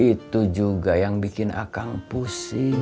itu juga yang bikin akang pusing